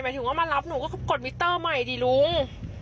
ถึงว่ามารับหนูก็กดมิเตอร์ใหม่ดิลุง